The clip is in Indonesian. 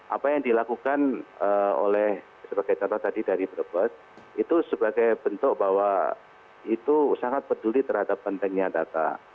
apa yang dilakukan oleh sebagai contoh tadi dari brebes itu sebagai bentuk bahwa itu sangat peduli terhadap pentingnya data